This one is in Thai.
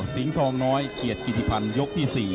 สิงธองน้อยเกียรติภัณฑ์ยกที่๔